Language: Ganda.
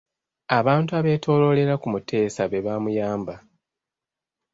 Abantu abeetooloolera ku Muteesa be baamuyamba.